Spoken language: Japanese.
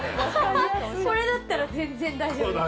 これだったら全然大丈夫。